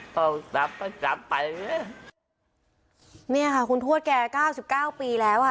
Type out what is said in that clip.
พอจับก็จับไปเนี้ยเนี้ยค่ะคุณทวดแกเก้าสิบเก้าปีแล้วค่ะ